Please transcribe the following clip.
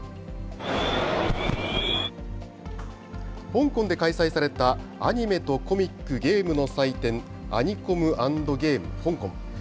香港で開催されたアニメとコミック、ゲームの祭典、アニコム＆ゲーム香港。